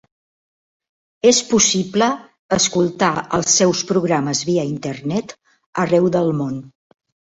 És possible escoltar els seus programes via Internet arreu del món.